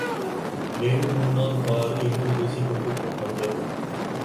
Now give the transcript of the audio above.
வேணுமுன்னால் பாரு என்று பேசிக்கொண்டு போனார்கள்.